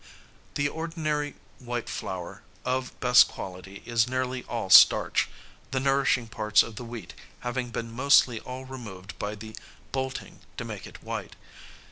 ] The ordinary white flour of best quality is nearly all starch, the nourishing parts of the wheat having been mostly all removed by the bolting to make it white.